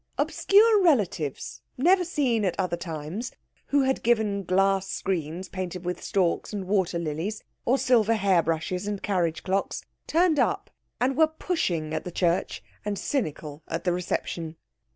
Obscure relatives, never seen at other times, who had given glass screens painted with storks and water lilies, or silver hair brushes or carriage clocks, turned up, and were pushing at the church and cynical at the reception.